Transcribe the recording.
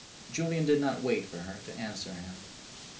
Julian did not wait for her to answer him.